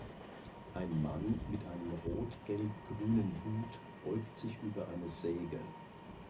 Ein Mann mit einem rot-gelb-grünen Hut beugt sich über eine Säge